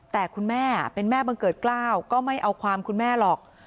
แต่คุณแม่เป็นแม่บังเกิดกล้าวก็ไม่เอาความคุณแม่หรอก